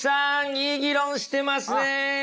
いい議論してますね！